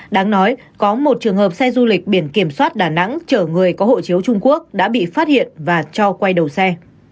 đáng nói có một trường hợp xe du lịch biển kiểm soát đà nẵng chở người có hộ chiếu trung quốc đã bị phát hiện và cho quay đầu xe